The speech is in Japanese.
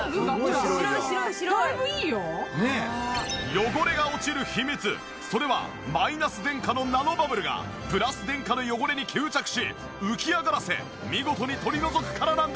汚れが落ちる秘密それはマイナス電荷のナノバブルがプラス電荷の汚れに吸着し浮き上がらせ見事に取り除くからなんです。